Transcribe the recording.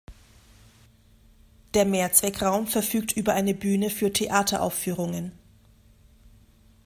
Der Mehrzweckraum verfügt über eine Bühne für Theateraufführungen.